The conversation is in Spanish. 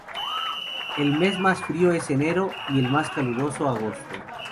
El mes más frío es enero, y el más caluroso, agosto.